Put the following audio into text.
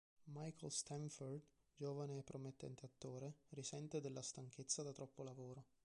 Michael Stanford, giovane e promettente attore, risente della stanchezza da troppo lavoro.